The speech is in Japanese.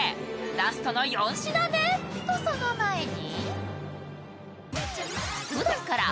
ラストの４品目、とその前に。